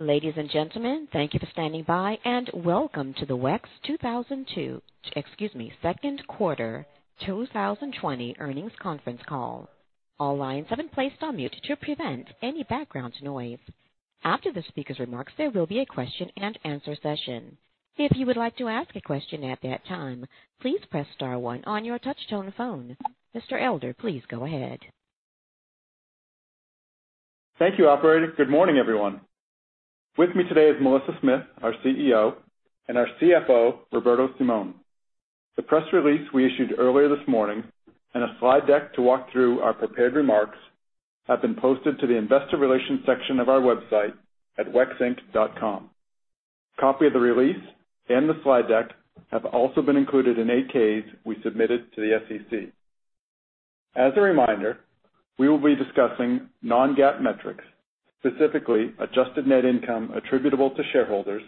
Ladies and gentlemen, thank you for standing by, and welcome to the WEX Q2 2020 earnings conference call. All lines have been placed on mute to prevent any background noise. After the speaker's remarks, there will be a question and answer session. If you would like to ask a question at that time, please press star one on your touch-tone phone. Mr. Elder, please go ahead. Thank you, operator. Good morning, everyone. With me today is Melissa Smith, our CEO, and our CFO, Roberto Simon. The press release we issued earlier this morning and a slide deck to walk through our prepared remarks have been posted to the investor relations section of our website at wexinc.com. Copy of the release and the slide deck have also been included in 8-Ks we submitted to the SEC. As a reminder, we will be discussing non-GAAP metrics, specifically adjusted net income attributable to shareholders,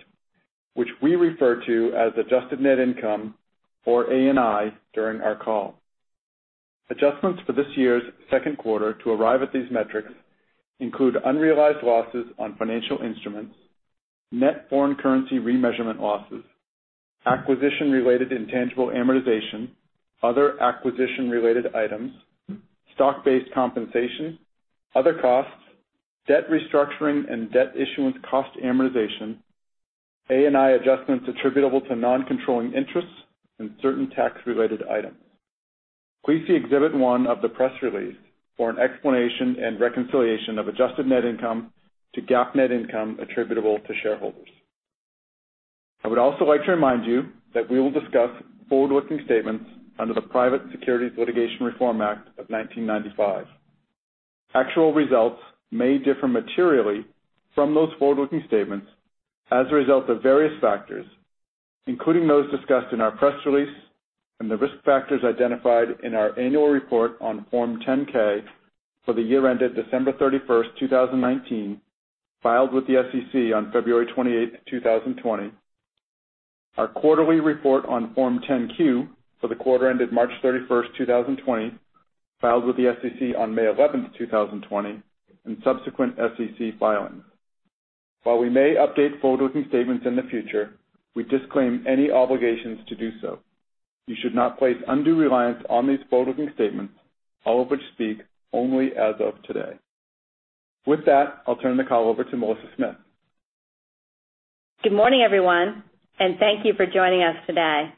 which we refer to as adjusted net income or ANI during our call. Adjustments for this year's Q2 to arrive at these metrics include unrealized losses on financial instruments, net foreign currency remeasurement losses, acquisition-related intangible amortization, other acquisition-related items, stock-based compensation, other costs, debt restructuring and debt issuance cost amortization, ANI adjustments attributable to non-controlling interests, and certain tax-related items. Please see exhibit one of the press release for an explanation and reconciliation of adjusted net income to GAAP net income attributable to shareholders. I would also like to remind you that we will discuss forward-looking statements under the Private Securities Litigation Reform Act of 1995. Actual results may differ materially from those forward-looking statements as a result of various factors, including those discussed in our press release and the risk factors identified in our annual report on Form 10-K for the year ended December 31st, 2019, filed with the SEC on February 28th, 2020, our quarterly report on Form 10-Q for the quarter ended March 31st, 2020, filed with the SEC on May 11th, 2020, and subsequent SEC filings. While we may update forward-looking statements in the future, we disclaim any obligations to do so. You should not place undue reliance on these forward-looking statements, all of which speak only as of today. With that, I'll turn the call over to Melissa Smith. Good morning, everyone, thank you for joining us today.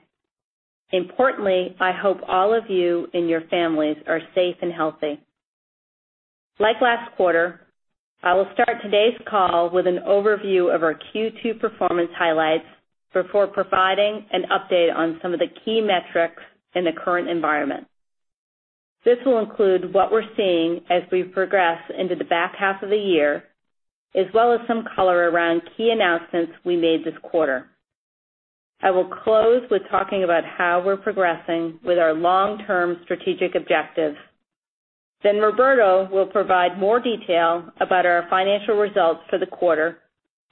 Importantly, I hope all of you and your families are safe and healthy. Like last quarter, I will start today's call with an overview of our Q2 performance highlights before providing an update on some of the key metrics in the current environment. This will include what we're seeing as we progress into the back half of the year, as well as some color around key announcements we made this quarter. I will close with talking about how we're progressing with our long-term strategic objectives. Roberto will provide more detail about our financial results for the quarter,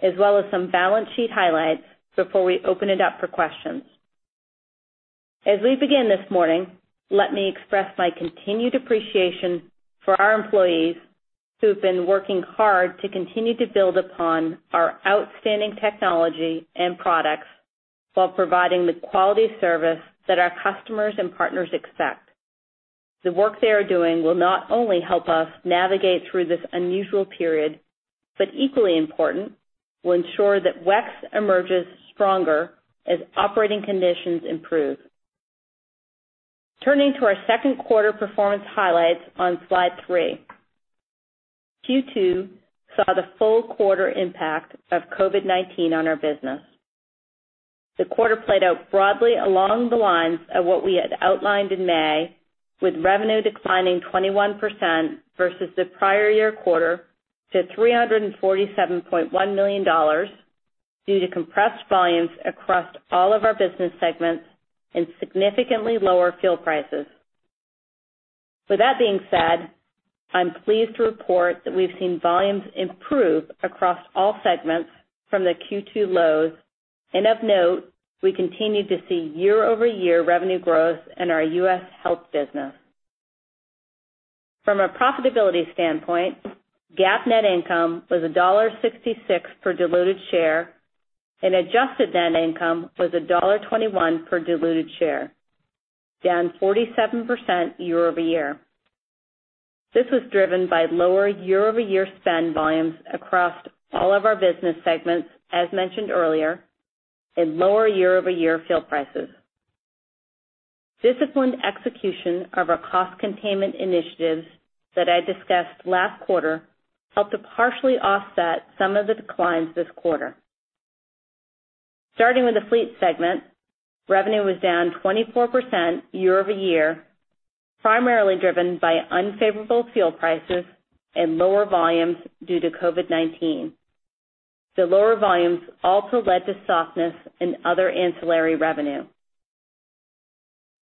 as well as some balance sheet highlights before we open it up for questions. As we begin this morning, let me express my continued appreciation for our employees who've been working hard to continue to build upon our outstanding technology and products while providing the quality service that our customers and partners expect. The work they are doing will not only help us navigate through this unusual period, but equally important, will ensure that WEX emerges stronger as operating conditions improve. Turning to our Q2 performance highlights on slide three. Q2 saw the full quarter impact of COVID-19 on our business. The quarter played out broadly along the lines of what we had outlined in May, with revenue declining 21% versus the prior year quarter to $347.1 million due to compressed volumes across all of our business segments and significantly lower fuel prices. With that being said, I'm pleased to report that we've seen volumes improve across all segments from the Q2 lows, and of note, we continue to see year-over-year revenue growth in our U.S. health business. From a profitability standpoint, GAAP net income was $1.66 per diluted share, and adjusted net income was $1.21 per diluted share, down 47% year-over-year. This was driven by lower year-over-year spend volumes across all of our business segments, as mentioned earlier, and lower year-over-year fuel prices. Disciplined execution of our cost containment initiatives that I discussed last quarter helped to partially offset some of the declines this quarter. Starting with the fleet segment, revenue was down 24% year-over-year, primarily driven by unfavorable fuel prices and lower volumes due to COVID-19. The lower volumes also led to softness in other ancillary revenue.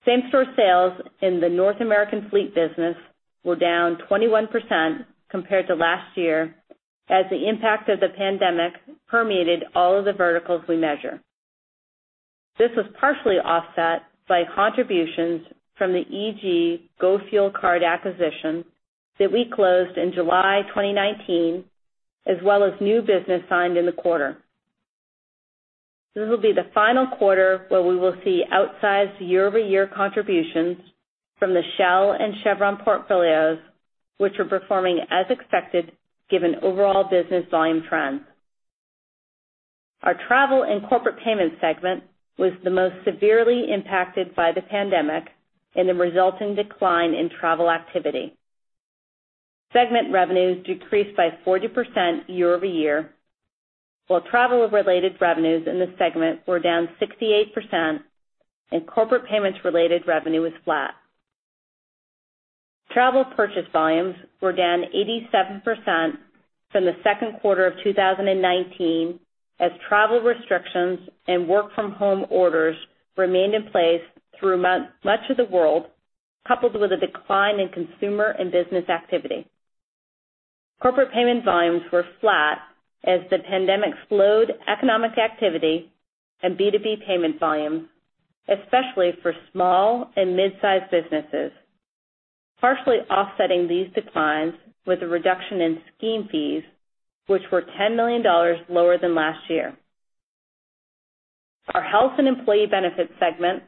Same-store sales in the North American fleet business were down 21% compared to last year, as the impact of the pandemic permeated all of the verticals we measure. This was partially offset by contributions from the EG Go Fuel Card acquisition that we closed in July 2019, as well as new business signed in the quarter. This will be the final quarter where we will see outsized year-over-year contributions from the Shell and Chevron portfolios, which are performing as expected given overall business volume trends. Our travel and corporate payment segment was the most severely impacted by the pandemic and the resulting decline in travel activity. Segment revenues decreased by 40% year-over-year, while travel-related revenues in the segment were down 68%, and corporate payments-related revenue was flat. Travel purchase volumes were down 87% from the Q2 of 2019, as travel restrictions and work-from-home orders remained in place through much of the world, coupled with a decline in consumer and business activity. Corporate payment volumes were flat as the pandemic slowed economic activity and B2B payment volumes, especially for small and mid-sized businesses, partially offsetting these declines with a reduction in scheme fees, which were $10 million lower than last year. Our health and employee benefits segment,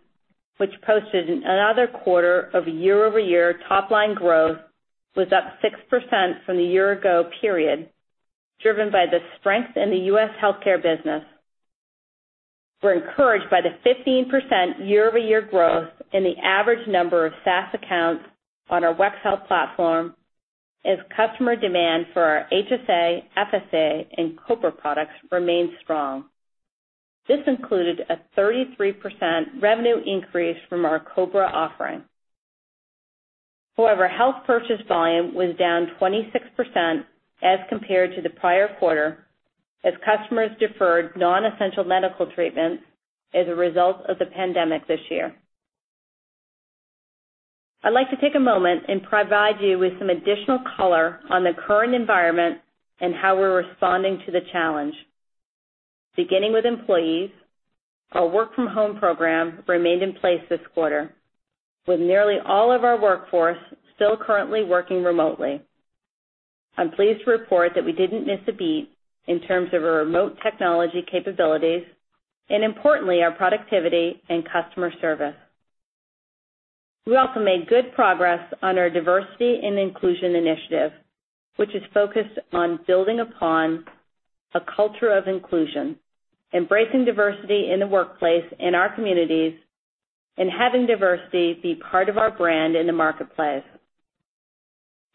which posted another quarter of year-over-year top-line growth, was up six percent from the year-ago period, driven by the strength in the US healthcare business. We're encouraged by the 15% year-over-year growth in the average number of SaaS accounts on our WEX Health platform as customer demand for our HSA, FSA, and COBRA products remained strong. This included a 33% revenue increase from our COBRA offering. Health purchase volume was down 26% as compared to the prior quarter as customers deferred non-essential medical treatment as a result of the pandemic this year. I'd like to take a moment and provide you with some additional color on the current environment and how we're responding to the challenge. Beginning with employees, our work-from-home program remained in place this quarter, with nearly all of our workforce still currently working remotely. I'm pleased to report that we didn't miss a beat in terms of our remote technology capabilities and importantly, our productivity and customer service. We also made good progress on our Diversity and Inclusion Initiative, which is focused on building upon a culture of inclusion, embracing diversity in the workplace, in our communities, and having diversity be part of our brand in the marketplace.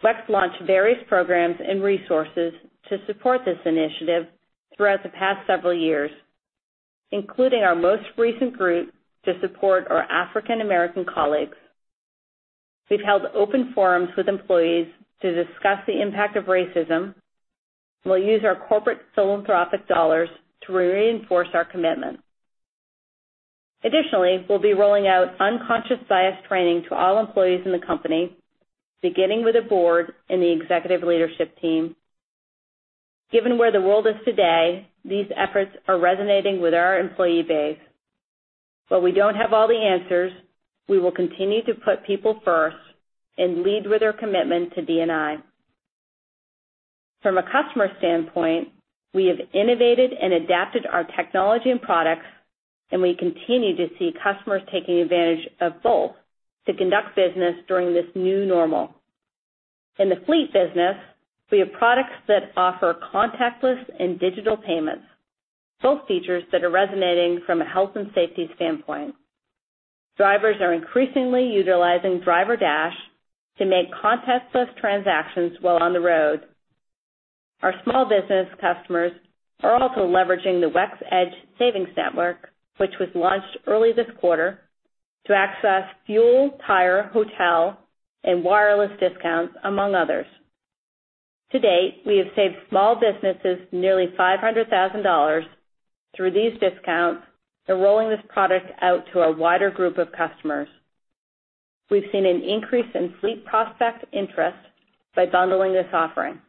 WEX launched various programs and resources to support this initiative throughout the past several years, including our most recent group to support our African American colleagues. We've held open forums with employees to discuss the impact of racism. We'll use our corporate philanthropic dollars to reinforce our commitment. Additionally, we'll be rolling out unconscious bias training to all employees in the company, beginning with the board and the executive leadership team. Given where the world is today, these efforts are resonating with our employee base. While we don't have all the answers, we will continue to put people first and lead with our commitment to D&I. From a customer standpoint, we have innovated and adapted our technology and products, and we continue to see customers taking advantage of both to conduct business during this new normal. In the fleet business, we have products that offer contactless and digital payments, both features that are resonating from a health and safety standpoint. Drivers are increasingly utilizing DriverDash to make contactless transactions while on the road. Our small business customers are also leveraging the WEX EDGE Savings Network, which was launched early this quarter, to access fuel, tire, hotel, and wireless discounts, among others. To date, we have saved small businesses nearly $500,000 through these discounts and rolling this product out to a wider group of customers. We've seen an increase in fleet prospect interest by bundling this offering.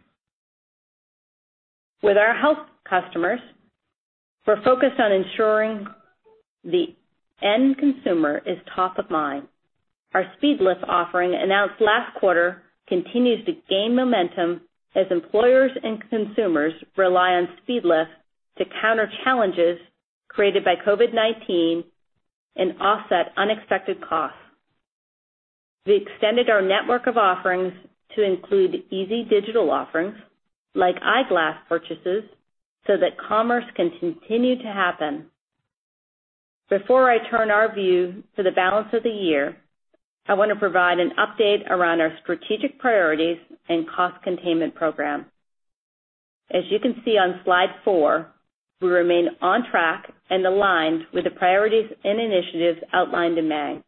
With our health customers, we're focused on ensuring the end consumer is top of mind. Our SpeedLift offering announced last quarter continues to gain momentum as employers and consumers rely on SpeedLift to counter challenges created by COVID-19 and offset unexpected costs. We extended our network of offerings to include easy digital offerings like eyeglass purchases so that commerce can continue to happen. Before I turn our view to the balance of the year, I want to provide an update around our strategic priorities and cost containment program. As you can see on slide four, we remain on track and aligned with the priorities and initiatives outlined in May.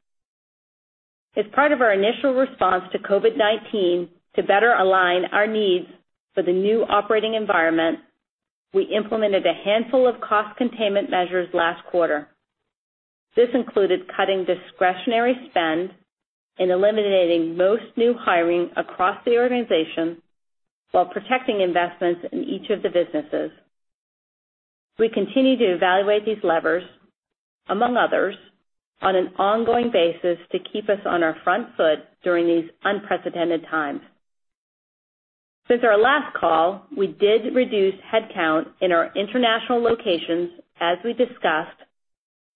As part of our initial response to COVID-19 to better align our needs for the new operating environment, we implemented a handful of cost containment measures last quarter. This included cutting discretionary spend and eliminating most new hiring across the organization while protecting investments in each of the businesses. We continue to evaluate these levers, among others, on an ongoing basis to keep us on our front foot during these unprecedented times. Since our last call, we did reduce headcount in our international locations as we discussed,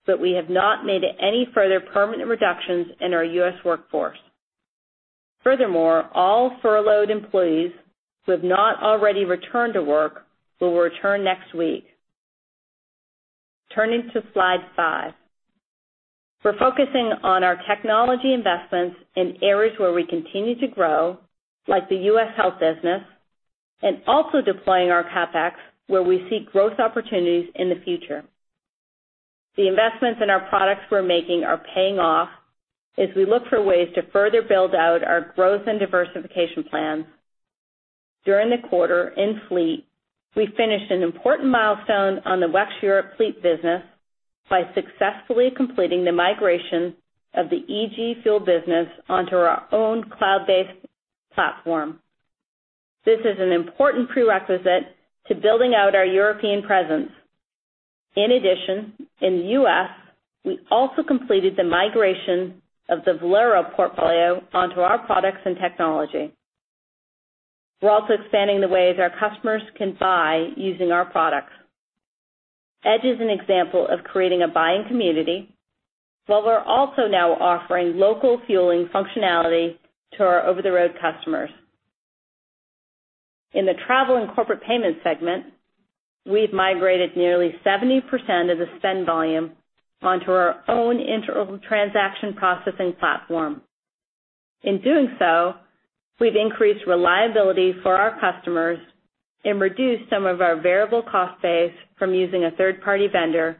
but we have not made any further permanent reductions in our U.S. workforce. Furthermore, all furloughed employees who have not already returned to work will return next week. Turning to slide five. We're focusing on our technology investments in areas where we continue to grow, like the U.S. health business, and also deploying our CapEx where we see growth opportunities in the future. The investments in our products we're making are paying off as we look for ways to further build out our growth and diversification plans. During the quarter, in fleet, we finished an important milestone on the WEX Europe fleet business by successfully completing the migration of the EG Fuel business onto our own cloud-based platform. This is an important prerequisite to building out our European presence. In addition, in the U.S., we also completed the migration of the Valero portfolio onto our products and technology. We're also expanding the ways our customers can buy using our products. WEX EDGE is an example of creating a buying community, while we're also now offering local fueling functionality to our over-the-road customers. In the travel and corporate payment segment, we've migrated nearly 70% of the spend volume onto our own internal transaction processing platform. In doing so, we've increased reliability for our customers and reduced some of our variable cost base from using a third-party vendor,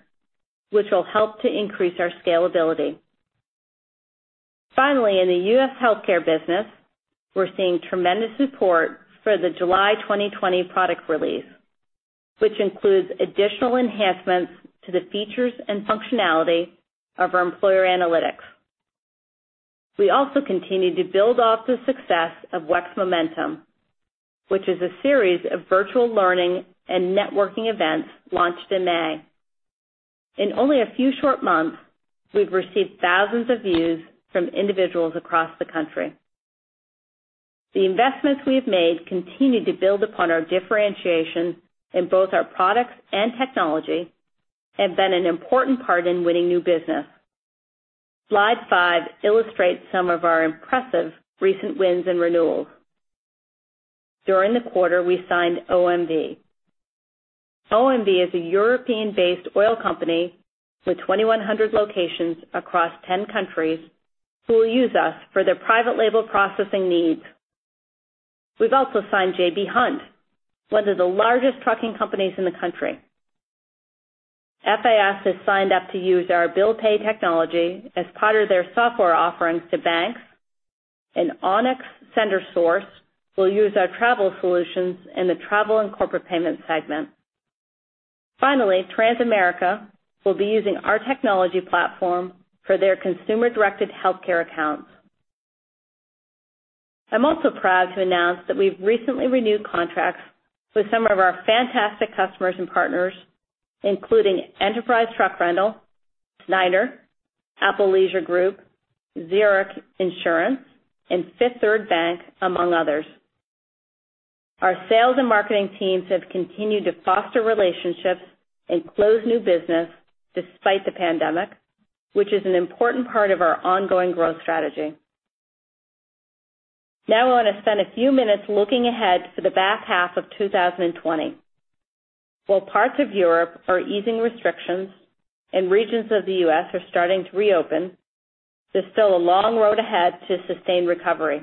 which will help to increase our scalability. Finally, in the U.S. healthcare business, we're seeing tremendous support for the July 2020 product release, which includes additional enhancements to the features and functionality of our employer analytics. We also continue to build off the success of WEX Momentum, which is a series of virtual learning and networking events launched in May. In only a few short months, we've received thousands of views from individuals across the country. The investments we've made continue to build upon our differentiation in both our products and technology, and been an important part in winning new business. Slide five illustrates some of our impressive recent wins and renewals. During the quarter, we signed OMV. OMV is a European-based oil company with 2,100 locations across 10 countries who will use us for their private label processing needs. We've also signed J.B. Hunt, one of the largest trucking companies in the country. FIS has signed up to use our bill pay technology as part of their software offerings to banks, and OnixS will use our travel solutions in the travel and corporate payment segment. Finally, Transamerica will be using our technology platform for their consumer-directed healthcare accounts. I'm also proud to announce that we've recently renewed contracts with some of our fantastic customers and partners, including Enterprise Truck Rental, Schneider, Apple Leisure Group, Zurich Insurance, and Fifth Third Bank, among others. Our sales and marketing teams have continued to foster relationships and close new business despite the pandemic, which is an important part of our ongoing growth strategy. Now I want to spend a few minutes looking ahead to the back half of 2020. While parts of Europe are easing restrictions and regions of the U.S. are starting to reopen, there's still a long road ahead to sustained recovery.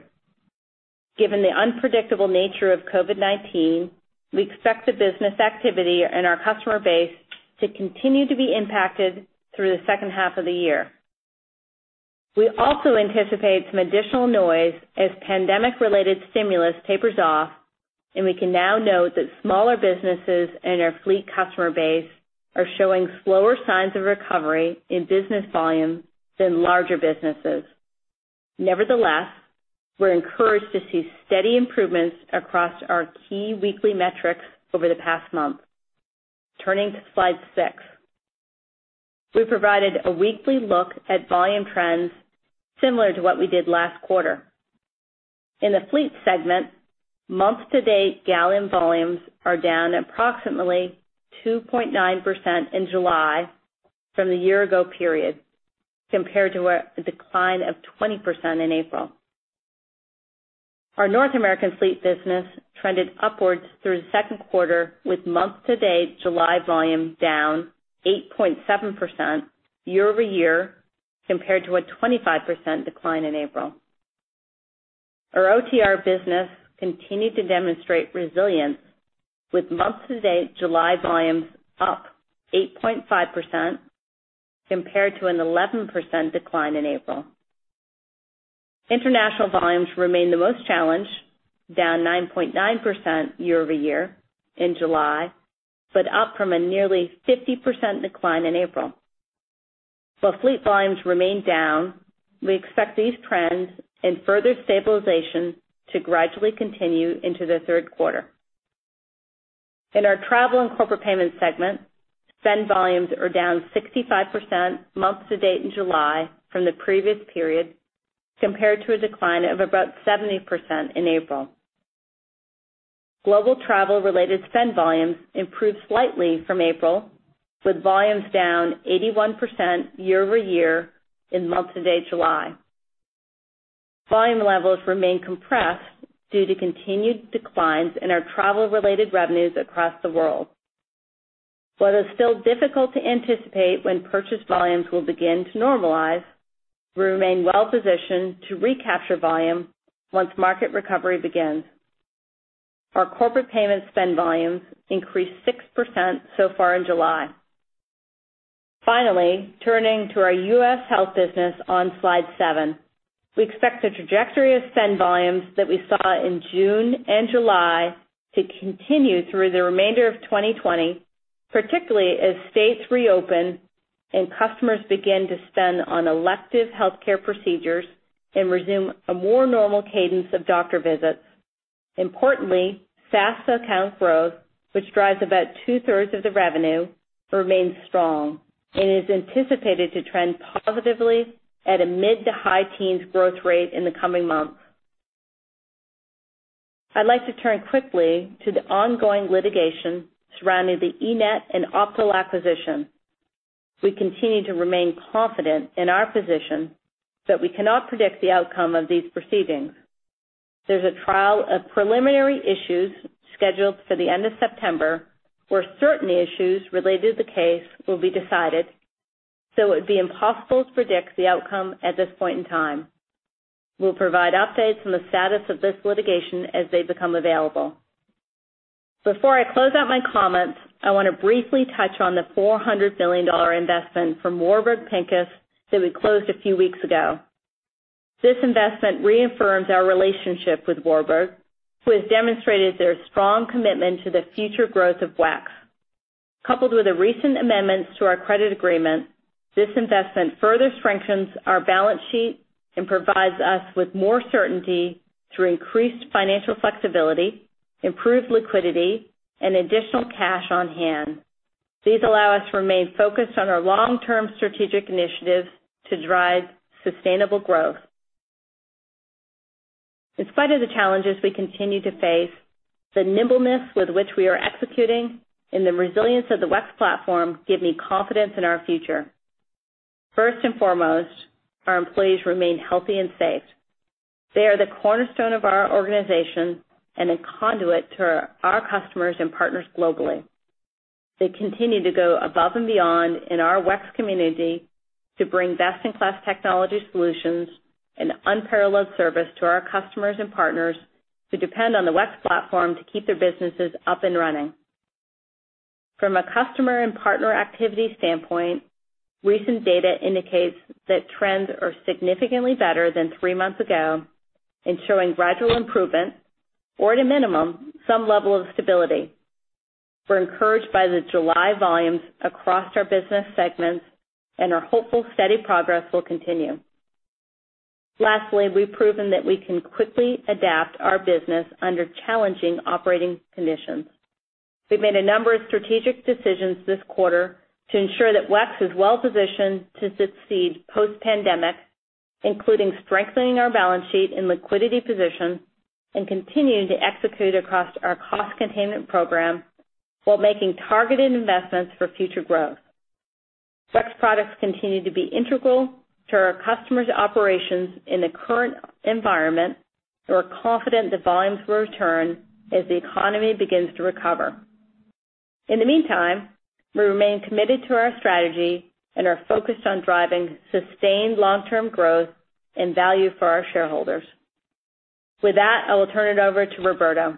Given the unpredictable nature of COVID-19, we expect the business activity and our customer base to continue to be impacted through the second half of the year. We also anticipate some additional noise as pandemic-related stimulus tapers off, and we can now note that smaller businesses and our fleet customer base are showing slower signs of recovery in business volume than larger businesses. Nevertheless, we're encouraged to see steady improvements across our key weekly metrics over the past month. Turning to slide six. We've provided a weekly look at volume trends similar to what we did last quarter. In the fleet segment, month-to-date gallon volumes are down approximately 2.9% in July from the year-ago period, compared to a decline of 20% in April. Our North American fleet business trended upwards through the Q2, with month-to-date July volume down 8.7% year-over-year, compared to a 25% decline in April. Our OTR business continued to demonstrate resilience, with month-to-date July volumes up 8.5%, compared to an 11% decline in April. International volumes remain the most challenged, down 9.9% year-over-year in July, but up from a nearly 50% decline in April. While fleet volumes remain down, we expect these trends and further stabilization to gradually continue into the Q3. In our travel and corporate payment segment, spend volumes are down 65% month-to-date in July from the previous period, compared to a decline of about 70% in April. Global travel-related spend volumes improved slightly from April, with volumes down 81% year-over-year in month-to-date July. Volume levels remain compressed due to continued declines in our travel-related revenues across the world. While it is still difficult to anticipate when purchase volumes will begin to normalize, we remain well positioned to recapture volume once market recovery begins. Our corporate payment spend volumes increased six percent so far in July. Turning to our U.S. Health business on slide seven. We expect the trajectory of spend volumes that we saw in June and July to continue through the remainder of 2020, particularly as states reopen and customers begin to spend on elective healthcare procedures and resume a more normal cadence of doctor visits. Importantly, SaaS account growth, which drives about two-thirds of the revenue, remains strong and is anticipated to trend positively at a mid to high teens growth rate in the coming months. I'd like to turn quickly to the ongoing litigation surrounding the eNett and Optal acquisition. We continue to remain confident in our position, but we cannot predict the outcome of these proceedings. There's a trial of preliminary issues scheduled for the end of September, where certain issues related to the case will be decided, so it would be impossible to predict the outcome at this point in time. We'll provide updates on the status of this litigation as they become available. Before I close out my comments, I want to briefly touch on the $400 million investment from Warburg Pincus that we closed a few weeks ago. This investment reaffirms our relationship with Warburg, who has demonstrated their strong commitment to the future growth of WEX. Coupled with the recent amendments to our credit agreement, this investment further strengthens our balance sheet and provides us with more certainty through increased financial flexibility, improved liquidity, and additional cash on hand. These allow us to remain focused on our long-term strategic initiatives to drive sustainable growth. In spite of the challenges we continue to face, the nimbleness with which we are executing and the resilience of the WEX platform give me confidence in our future. First and foremost, our employees remain healthy and safe. They are the cornerstone of our organization and a conduit to our customers and partners globally. They continue to go above and beyond in our WEX community to bring best-in-class technology solutions and unparalleled service to our customers and partners who depend on the WEX platform to keep their businesses up and running. From a customer and partner activity standpoint, recent data indicates that trends are significantly better than three months ago and showing gradual improvement, or at a minimum, some level of stability. We're encouraged by the July volumes across our business segments and are hopeful steady progress will continue. Lastly, we've proven that we can quickly adapt our business under challenging operating conditions. We've made a number of strategic decisions this quarter to ensure that WEX is well positioned to succeed post-pandemic, including strengthening our balance sheet and liquidity position and continuing to execute across our cost containment program while making targeted investments for future growth. WEX products continue to be integral to our customers' operations in the current environment. We are confident that volumes will return as the economy begins to recover. In the meantime, we remain committed to our strategy and are focused on driving sustained long-term growth and value for our shareholders. With that, I will turn it over to Roberto.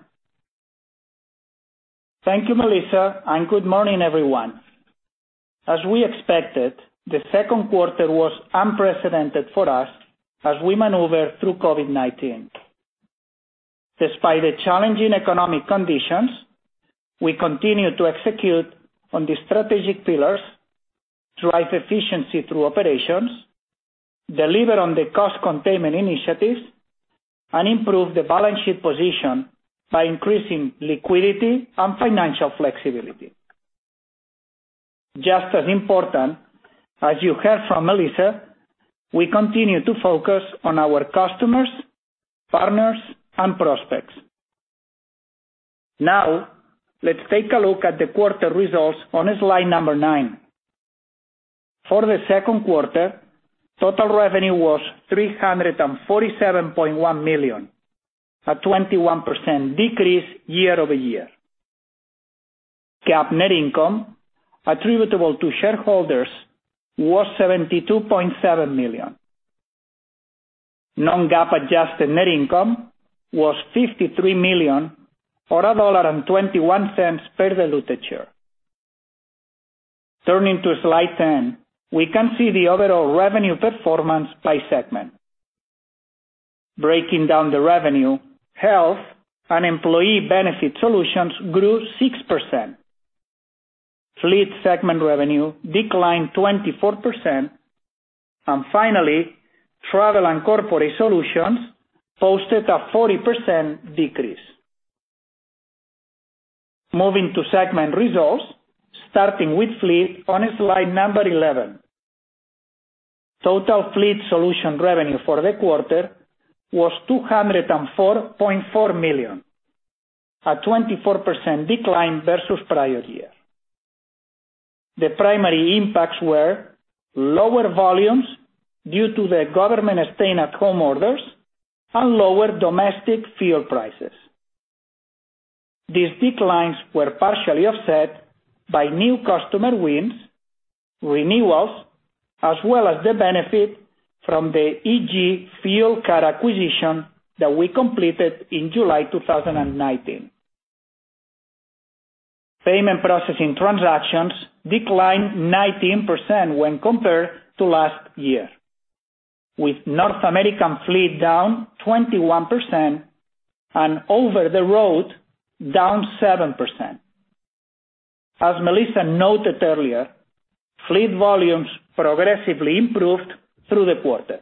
Thank you, Melissa. Good morning, everyone. As we expected, the second quarter was unprecedented for us as we maneuver through COVID-19. Despite the challenging economic conditions, we continue to execute on the strategic pillars, drive efficiency through operations, deliver on the cost containment initiatives, and improve the balance sheet position by increasing liquidity and financial flexibility. Just as important, as you heard from Melissa, we continue to focus on our customers, partners, and prospects. Let's take a look at the quarter results on slide number nine. For the Q2, total revenue was $347.1 million, a 21% decrease year-over-year. GAAP net income attributable to shareholders was $72.7 million. Non-GAAP adjusted net income was $53 million, or $1.21 per diluted share. Turning to slide 10, we can see the overall revenue performance by segment. Breaking down the revenue, health and employee benefit solutions grew six percent. Fleet segment revenue declined 24%. Finally, travel and corporate solutions posted a 40% decrease. Moving to segment results, starting with fleet on slide number 11. Total fleet solution revenue for the quarter was $204.4 million, a 24% decline versus prior year. The primary impacts were lower volumes due to the government stay-at-home orders and lower domestic fuel prices. These declines were partially offset by new customer wins, renewals, as well as the benefit from the EG Fuel card acquisition that we completed in July 2019. Payment processing transactions declined 19% when compared to last year, with North American fleet down 21% and over the road down seven percent. As Melissa noted earlier, fleet volumes progressively improved through the quarter.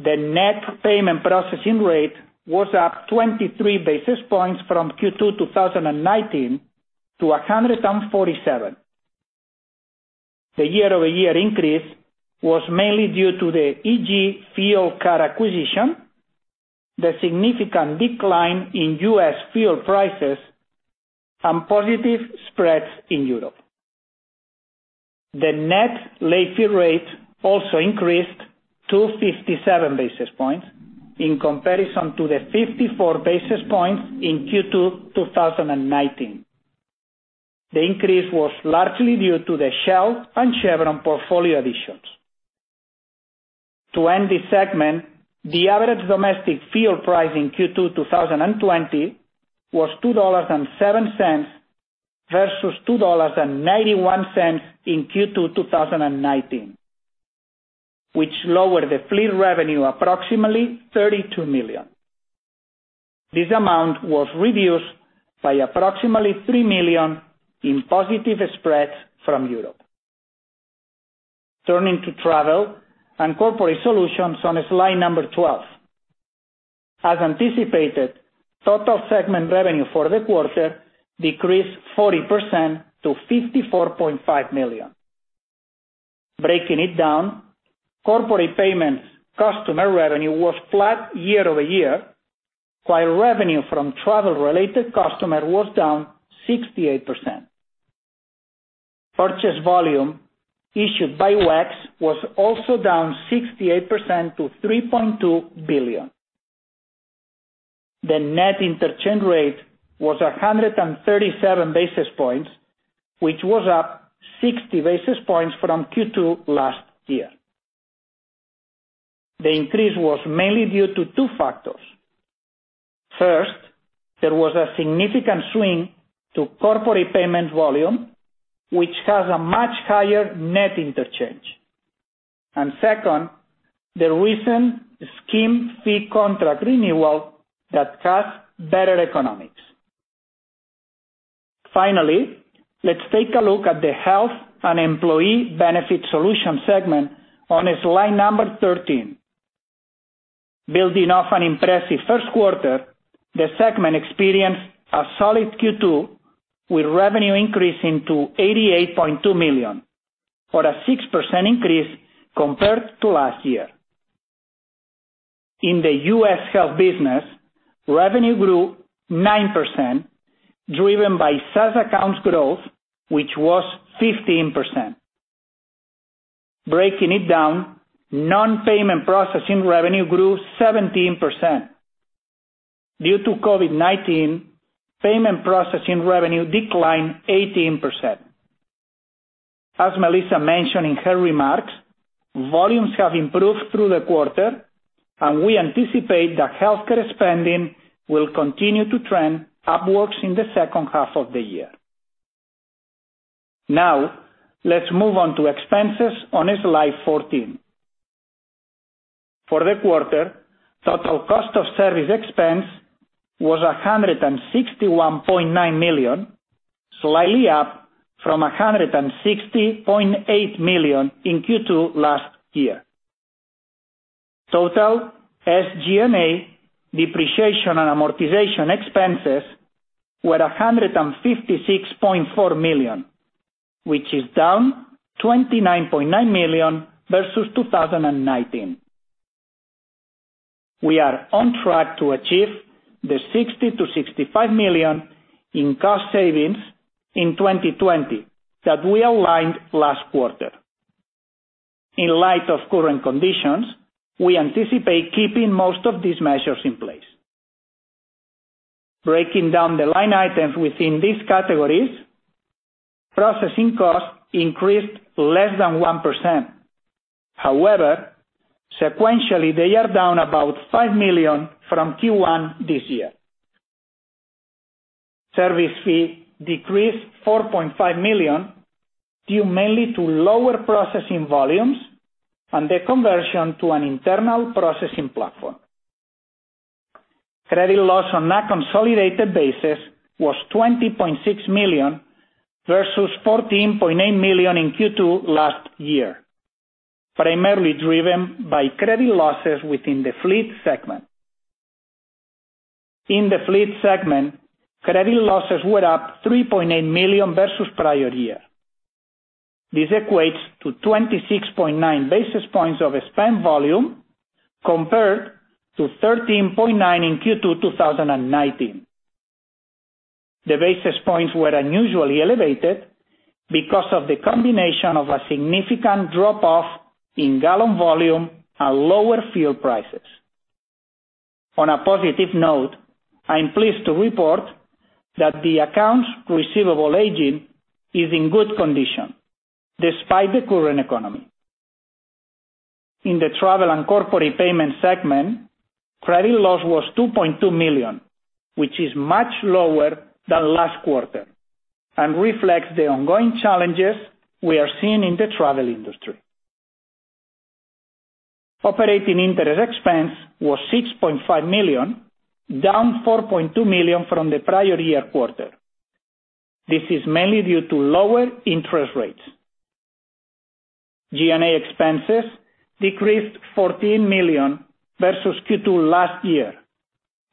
The net payment processing rate was up 23 basis points from Q2 2019 to 147. The year-over-year increase was mainly due to the EG Fuel card acquisition, the significant decline in U.S. fuel prices, and positive spreads in Europe. The net late fee rate also increased to 57 basis points in comparison to the 54 basis points in Q2 2019. The increase was largely due to the Shell and Chevron portfolio additions. To end this segment, the average domestic fuel price in Q2 2020 was $2.07 versus $2.91 in Q2 2019, which lowered the fleet revenue approximately $32 million. This amount was reduced by approximately $3 million in positive spreads from Europe. Turning to travel and corporate solutions on slide number 12. As anticipated, total segment revenue for the quarter decreased 40% to $54.5 million. Breaking it down, corporate payments customer revenue was flat year-over-year, while revenue from travel-related customer was down 68%. Purchase volume issued by WEX was also down 68% - $3.2 billion. The net interchange rate was 137 basis points, which was up 60 basis points from Q2 last year. The increase was mainly due to two factors. First, there was a significant swing to corporate payment volume, which has a much higher net interchange. Second, the recent scheme fee contract renewal that has better economics. Finally, let's take a look at the health and employee benefit solution segment on slide number 13. Building off an impressive first quarter, the segment experienced a solid Q2, with revenue increasing to $88.2 million or a six percent increase compared to last year. In the U.S. health business, revenue grew nine percent, driven by SaaS accounts growth, which was 15%. Breaking it down, non-payment processing revenue grew 17%. Due to COVID-19, payment processing revenue declined 18%. As Melissa mentioned in her remarks, volumes have improved through the quarter, and we anticipate that healthcare spending will continue to trend upwards in the second half of the year. Let's move on to expenses on slide 14. For the quarter, total cost of service expense was $161.9 million, slightly up from $160.8 million in Q2 last year. Total SG&A depreciation and amortization expenses were $156.4 million, which is down $29.9 million versus 2019. We are on track to achieve the $60-$65 million in cost savings in 2020 that we outlined last quarter. In light of current conditions, we anticipate keeping most of these measures in place. Breaking down the line items within these categories, processing costs increased less than one percent. However, sequentially, they are down about $5 million from Q1 this year. Service fee decreased to $4.5 million, due mainly to lower processing volumes and the conversion to an internal processing platform. Credit loss on a consolidated basis was $20.6 million, versus $14.8 million in Q2 last year, primarily driven by credit losses within the fleet segment. In the fleet segment, credit losses were up $3.8 million versus prior year. This equates to 26.9 basis points of spent volume, compared to 13.9 in Q2 2019. The basis points were unusually elevated because of the combination of a significant drop-off in gallon volume and lower fuel prices. On a positive note, I am pleased to report that the account receivable aging is in good condition despite the current economy. In the travel and corporate payment segment, credit loss was $2.2 million, which is much lower than last quarter and reflects the ongoing challenges we are seeing in the travel industry. Operating interest expense was $6.5 million, down $4.2 million from the prior year quarter. This is mainly due to lower interest rates. G&A expenses decreased $14 million versus Q2 last year,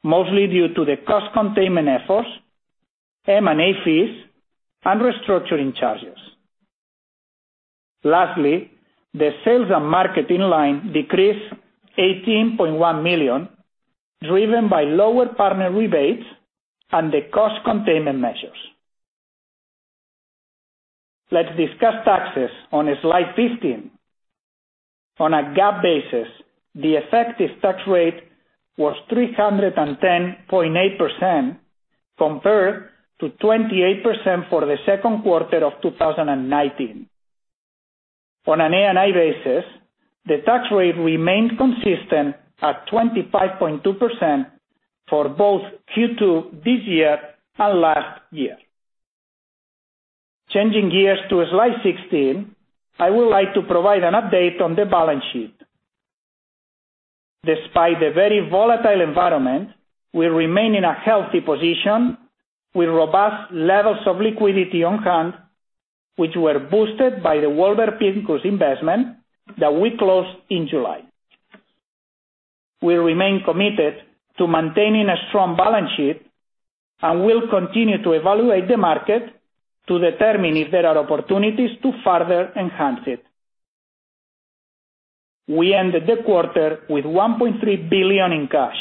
mostly due to the cost containment efforts, M&A fees, and restructuring charges. The sales and marketing line decreased $18.1 million, driven by lower partner rebates and the cost containment measures. Let's discuss taxes on slide 15. On a GAAP basis, the effective tax rate was 310.8%, compared to 28% for the Q2 of 2019. On an ANI basis, the tax rate remained consistent at 25.2% for both Q2 this year and last year. Changing gears to slide 16, I would like to provide an update on the balance sheet. Despite the very volatile environment, we remain in a healthy position with robust levels of liquidity on hand, which were boosted by the Warburg Pincus investment that we closed in July. We remain committed to maintaining a strong balance sheet and will continue to evaluate the market to determine if there are opportunities to further enhance it. We ended the quarter with $1.3 billion in cash,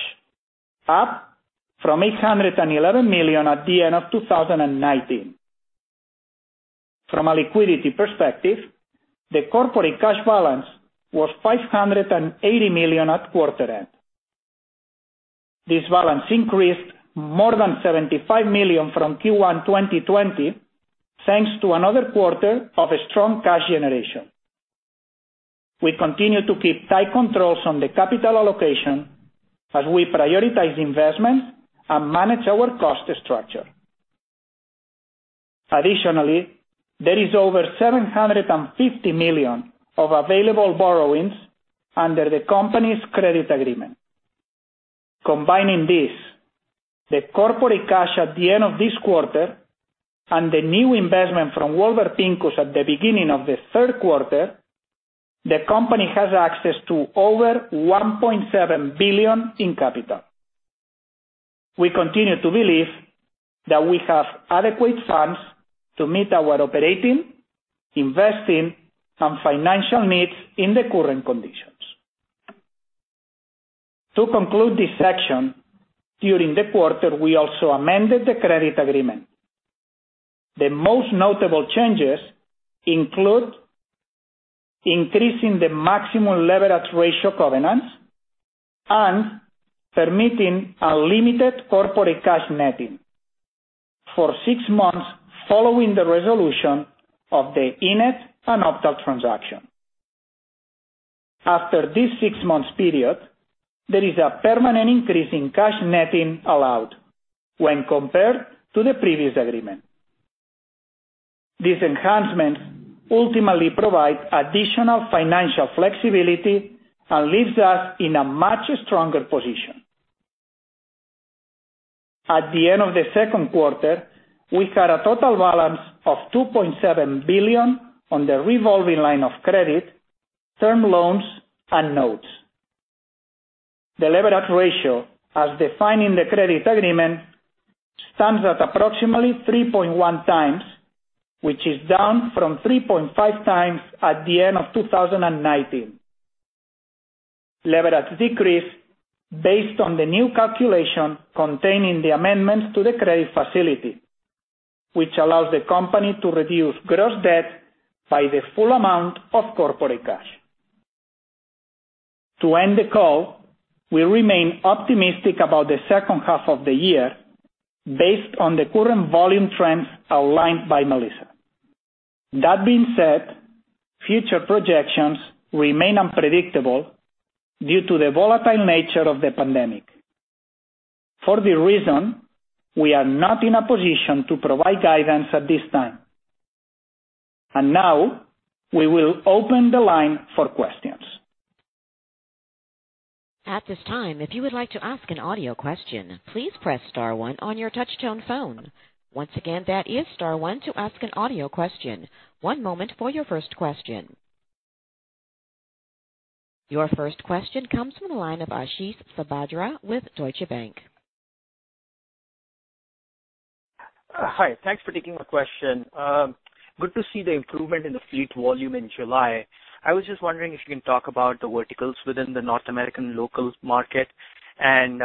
up from $811 million at the end of 2019. From a liquidity perspective, the corporate cash balance was $580 million at quarter end. This balance increased more than $75 million from Q1 2020 thanks to another quarter of strong cash generation. We continue to keep tight controls on the capital allocation as we prioritize investment and manage our cost structure. Additionally, there is over $750 million of available borrowings under the company's credit agreement. Combining this, the corporate cash at the end of this quarter and the new investment from Warburg Pincus at the beginning of the Q3, the company has access to over $1.7 billion in capital. We continue to believe that we have adequate funds to meet our operating, investing, and financial needs in the current conditions. To conclude this section, during the quarter, we also amended the credit agreement. The most notable changes include increasing the maximum leverage ratio covenants and permitting unlimited corporate cash netting for six months following the resolution of the eNett and Optal transaction. After this six-month period, there is a permanent increase in cash netting allowed when compared to the previous agreement. This enhancement ultimately provides additional financial flexibility and leaves us in a much stronger position. At the end of the Q2, we had a total balance of $2.7 billion on the revolving line of credit, term loans, and notes. The leverage ratio, as defined in the credit agreement, stands at approximately 3.1x, which is down from 3.5x at the end of 2019. Leverage decreased based on the new calculation containing the amendments to the credit facility, which allows the company to reduce gross debt by the full amount of corporate cash. To end the call, we remain optimistic about the second half of the year based on the current volume trends outlined by Melissa. That being said, future projections remain unpredictable due to the volatile nature of the pandemic. For this reason, we are not in a position to provide guidance at this time. Now we will open the line for questions. At this time, if you would like to ask an audio question, please press star one on your touch-tone phone. Once again, that is star one to ask an audio question. One moment for your first question. Your first question comes from the line of Ashish Sabadra with Deutsche Bank. Hi. Thanks for taking the question. Good to see the improvement in the fleet volume in July. I was just wondering if you can talk about the verticals within the North American local market and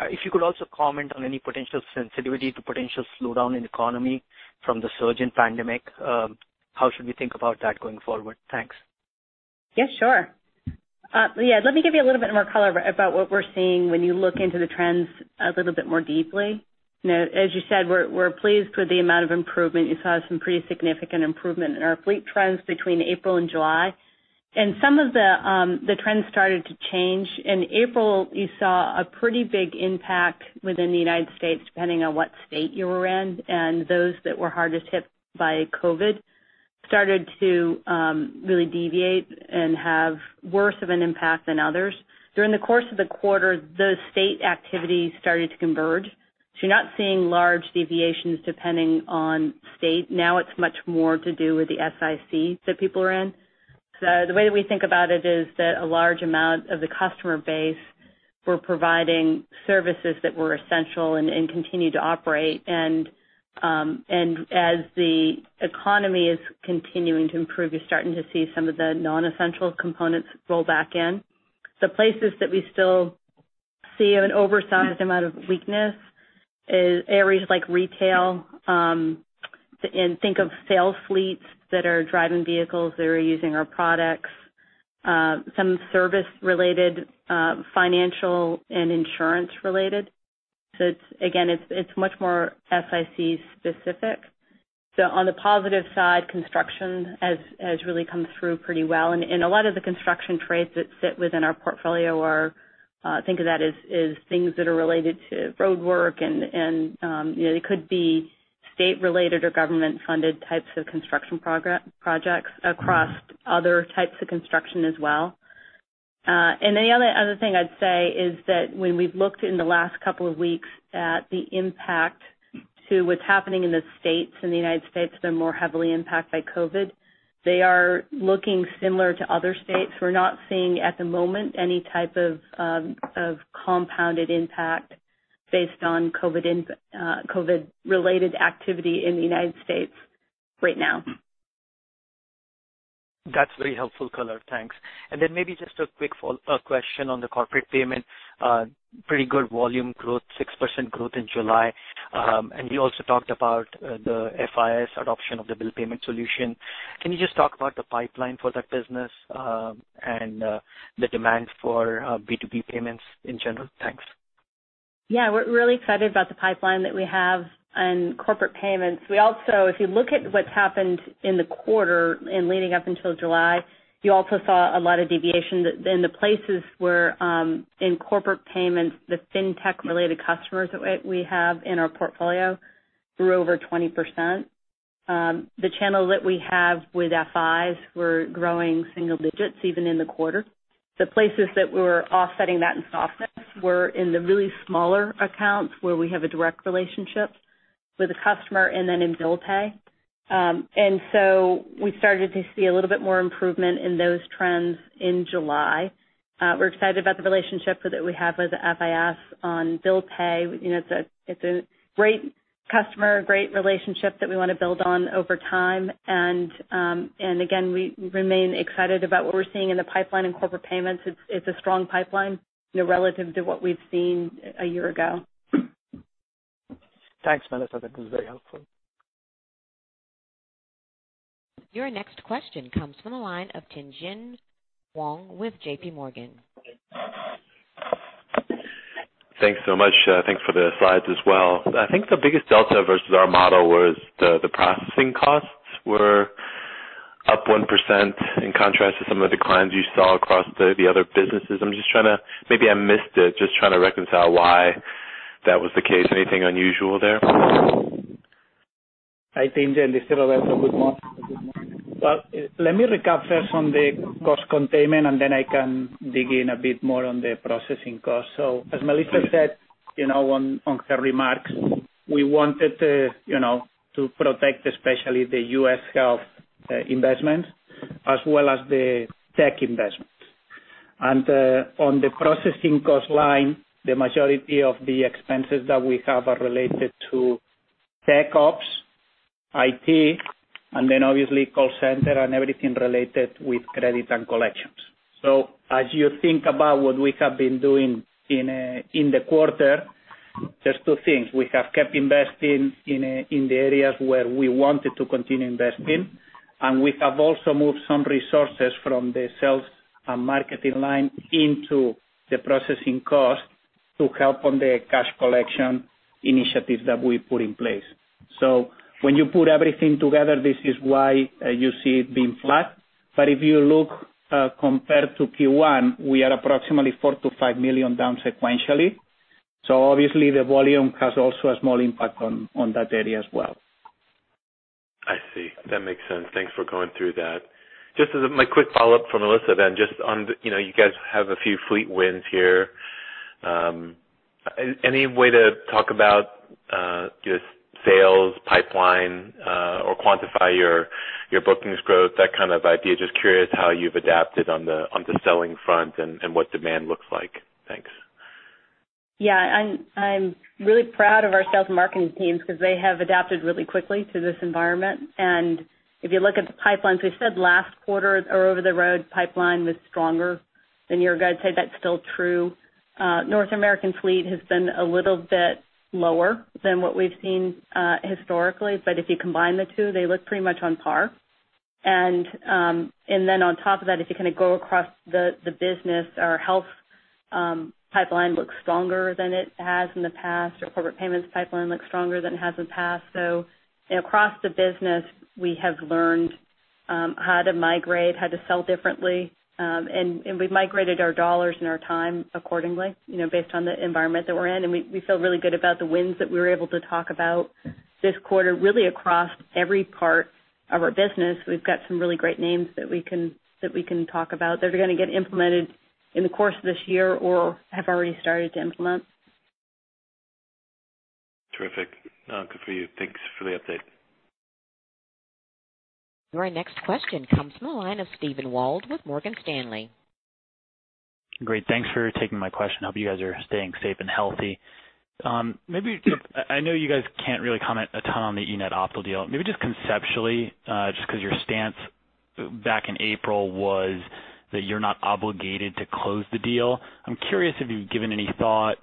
if you could also comment on any potential sensitivity to potential slowdown in economy from the surge in pandemic. How should we think about that going forward? Thanks. Yes, sure. Yeah, let me give you a little bit more color about what we're seeing when you look into the trends a little bit more deeply. As you said, we're pleased with the amount of improvement. You saw some pretty significant improvement in our fleet trends between April and July. Some of the trends started to change. In April, you saw a pretty big impact within the U.S., depending on what state you were in, and those that were hardest hit by COVID-19 started to really deviate and have worse of an impact than others. During the course of the quarter, those state activities started to converge. You're not seeing large deviations depending on state. Now it's much more to do with the SIC that people are in. The way that we think about it is that a large amount of the customer base were providing services that were essential and continue to operate. As the economy is continuing to improve, you're starting to see some of the non-essential components roll back in. The places that we still see an oversized amount of weakness is areas like retail, and think of sales fleets that are driving vehicles that are using our products. Some service-related financial and insurance-related. Again, it's much more SIC specific. On the positive side, construction has really come through pretty well. A lot of the construction trades that sit within our portfolio are, think of that as things that are related to roadwork and it could be state-related or government-funded types of construction projects across other types of construction as well. The other thing I'd say is that when we've looked in the last couple of weeks at the impact to what's happening in the states in the U.S. that are more heavily impacted by COVID, they are looking similar to other states. We're not seeing at the moment any type of compounded impact based on COVID-related activity in the U.S. right now. That's very helpful color. Thanks. Then maybe just a quick follow-up question on the corporate payment. Pretty good volume growth, six percent growth in July. You also talked about the FIS adoption of the bill payment solution. Can you just talk about the pipeline for that business and the demand for B2B payments in general? Thanks. Yeah, we're really excited about the pipeline that we have in corporate payments. If you look at what's happened in the quarter and leading up until July, you also saw a lot of deviation in the places where in corporate payments, the FinTech-related customers that we have in our portfolio grew over 20%. The channel that we have with FIS were growing single digits even in the quarter. The places that we were offsetting that in software were in the really smaller accounts where we have a direct relationship with the customer and then in bill pay. We started to see a little bit more improvement in those trends in July. We're excited about the relationship that we have with FIS on bill pay. It's a great customer, great relationship that we want to build on over time. Again, we remain excited about what we're seeing in the pipeline in corporate payments. It's a strong pipeline relative to what we've seen a year ago. Thanks, Melissa. That was very helpful. Your next question comes from the line of Tien-Tsin Huang with JPMorgan. Thanks so much. Thanks for the slides as well. I think the biggest delta versus our model was the processing costs were up one percent in contrast to some of the declines you saw across the other businesses. Maybe I missed it, just trying to reconcile why that was the case. Anything unusual there? Hi, Tien-Tsin. This is Roberto. Good morning. Let me recap first on the cost containment, then I can dig in a bit more on the processing cost. As Melissa said on her remarks, we wanted to protect especially the U.S. health investments as well as the tech investments. On the processing cost line, the majority of the expenses that we have are related to tech ops, IT, and then obviously call center and everything related with credit and collections. As you think about what we have been doing in the quarter, just two things. We have kept investing in the areas where we wanted to continue investing, and we have also moved some resources from the sales and marketing line into the processing cost to help on the cash collection initiatives that we put in place. When you put everything together, this is why you see it being flat. If you look compared to Q1, we are approximately $4 million-$5 million down sequentially. Obviously the volume has also a small impact on that area as well. I see. That makes sense. Thanks for going through that. Just as my quick follow-up from Melissa then, you guys have a few fleet wins here. Any way to talk about just sales pipeline or quantify your bookings growth, that kind of idea? Just curious how you've adapted on the selling front and what demand looks like. Thanks. Yeah. I'm really proud of our sales and marketing teams because they have adapted really quickly to this environment. If you look at the pipelines, we said last quarter our over-the-road pipeline was stronger than a year ago. I'd say that's still true. North American fleet has been a little bit lower than what we've seen historically, but if you combine the two, they look pretty much on par. On top of that, if you go across the business, our health pipeline looks stronger than it has in the past. Our corporate payments pipeline looks stronger than it has in the past. Across the business, we have learned how to migrate, how to sell differently. We've migrated our dollars and our time accordingly based on the environment that we're in. We feel really good about the wins that we were able to talk about this quarter, really across every part of our business. We've got some really great names that we can talk about that are going to get implemented in the course of this year or have already started to implement. Terrific. Good for you. Thanks for the update. Your next question comes from the line of Steven Wald with Morgan Stanley. Great. Thanks for taking my question. Hope you guys are staying safe and healthy. I know you guys can't really comment a ton on the eNett Optal deal. Maybe just conceptually, just because your stance back in April was that you're not obligated to close the deal. I'm curious if you've given any thought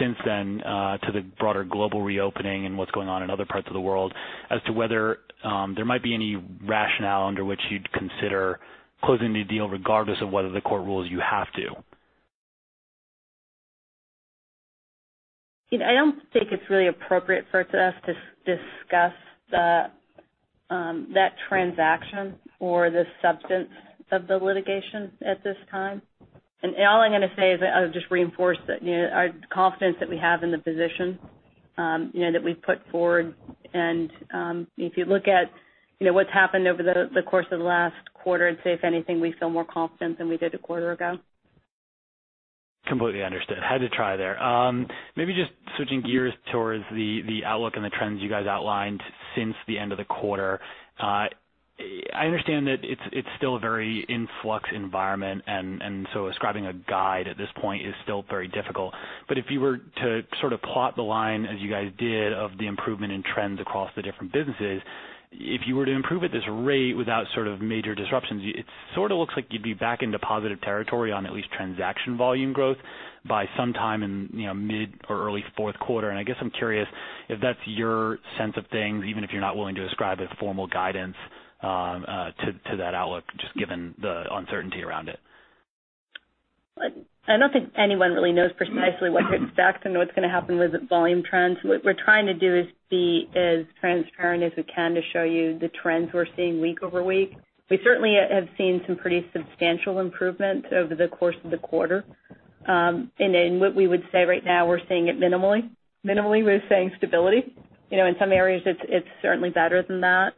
since then to the broader global reopening and what's going on in other parts of the world as to whether there might be any rationale under which you'd consider closing the deal, regardless of whether the court rules you have to. I don't think it's really appropriate for us to discuss that transaction or the substance of the litigation at this time. All I'm going to say is just reinforce our confidence that we have in the position that we've put forward. If you look at what's happened over the course of the last quarter, I'd say if anything, we feel more confident than we did a quarter ago. Completely understood. Had to try there. Maybe just switching gears towards the outlook and the trends you guys outlined since the end of the quarter. I understand that it's still a very in flux environment, ascribing a guide at this point is still very difficult. If you were to sort of plot the line as you guys did of the improvement in trends across the different businesses, if you were to improve at this rate without sort of major disruptions, it sort of looks like you'd be back into positive territory on at least transaction volume growth by sometime in mid or early Q4. I guess I'm curious if that's your sense of things, even if you're not willing to ascribe it formal guidance to that outlook, just given the uncertainty around it. I don't think anyone really knows precisely what to expect and what's going to happen with volume trends. What we're trying to do is be as transparent as we can to show you the trends we're seeing week over week. We certainly have seen some pretty substantial improvements over the course of the quarter. In what we would say right now, we're seeing it minimally. Minimally, we're seeing stability. In some areas it's certainly better than that.